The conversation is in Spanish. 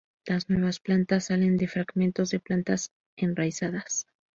Las nuevas plantas salen de fragmentos de plantas enraizadas.